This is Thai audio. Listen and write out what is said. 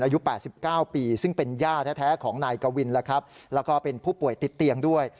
อายุ๘๙ปีซึ่งเป็นย่าแท้ของนายกวินแล้วครับแล้วก็เป็นผู้ป่วยติดเตียงด้วย